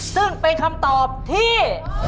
ซึ่งเป็นคำตอบที่